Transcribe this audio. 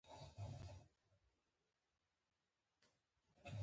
غل په ترږمۍ کې خوشحاله وي د بدو خلکو فرصت ښيي